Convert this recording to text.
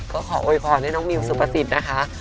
ก็ขอโอยพอดย์ให้น้องมิวซุปะสิทธิ์นะคะ